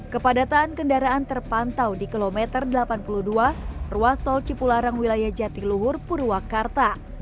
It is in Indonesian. kepadatan kendaraan terpantau di kilometer delapan puluh dua ruas tol cipularang wilayah jatiluhur purwakarta